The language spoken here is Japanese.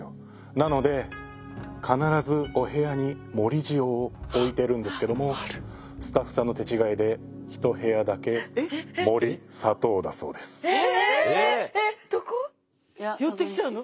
なので必ずお部屋に盛り塩を置いてるんですけどもスタッフさんの手違いで寄ってきちゃうの？